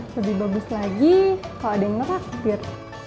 lebih bagus lagi kalau ada yang ngeraktir